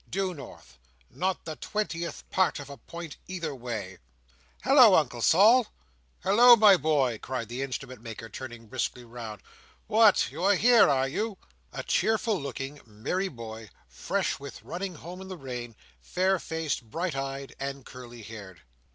Due north. Not the twentieth part of a point either way." "Halloa, Uncle Sol!" "Halloa, my boy!" cried the Instrument maker, turning briskly round. "What! you are here, are you?" A cheerful looking, merry boy, fresh with running home in the rain; fair faced, bright eyed, and curly haired.